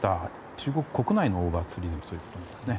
中国国内のオーバーツーリズムということですね。